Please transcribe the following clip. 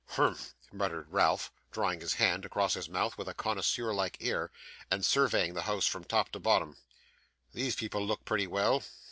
'Humph!' muttered Ralph, drawing his hand across his mouth with a connoisseur like air, and surveying the house from top to bottom; 'these people look pretty well.